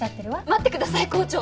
待ってください校長！